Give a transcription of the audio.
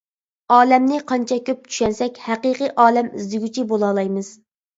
ئالەمنى قانچە كۆپ چۈشەنسەك، «ھەقىقىي ئالەم ئىزدىگۈچى» بولالايمىز.